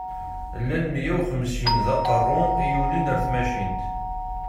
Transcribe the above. Llan miyya u xemsin d aqeṛṛu i yulin ar tmacint.